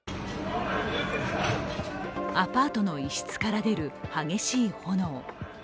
アパートの一室から出る激しい炎。